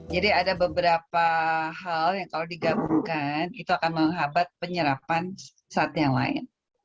jadi ada beberapa hal yang kalau digabungkan itu akan menghabat penyerapan saat yang lain